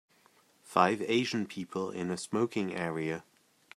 Five Asian people in a smoking area.